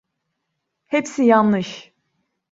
Hepsi yanlış.